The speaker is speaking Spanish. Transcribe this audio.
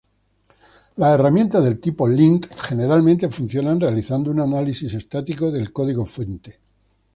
Las herramientas de tipo "lint" generalmente funcionan realizando un análisis estático del código fuente.